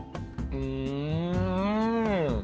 อืมมมมม